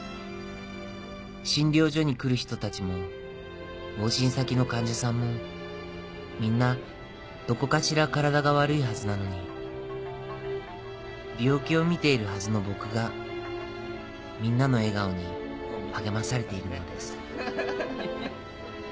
診療所に来る人たちも往診先の患者さんもみんなどこかしら体が悪いはずなのに病気を診ているはずの僕がみんなの笑顔に励まされているのです」